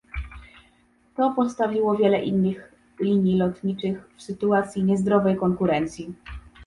To postawiło wiele innych linii lotniczych w sytuacji niezdrowej konkurencji